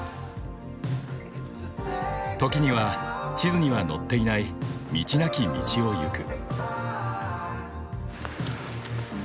時には地図には載っていない道なき道をゆく。